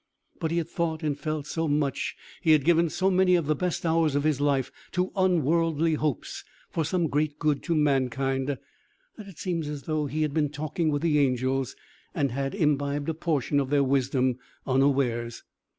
But he had thought and felt so much he had given so many of the best hours of his life to unworldly hopes for some great good to mankind, that it seemed as though he had been talking with the angels, and had imbibed a portion of their wisdom unawares.